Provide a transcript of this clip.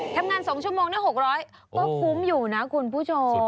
ทำงาน๒ชั่วโมงได้๖๐๐ก็คุ้มอยู่นะคุณผู้ชม